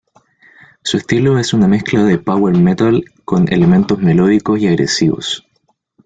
Su estilo es una mezcla de power metal con elementos melódicos y agresivos.